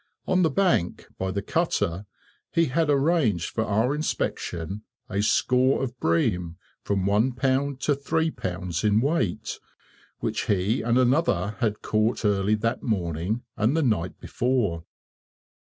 On the bank, by the cutter, he had arranged for our inspection a score of bream, from one pound to three pounds in weight, which he and another had caught early that morning and the night before.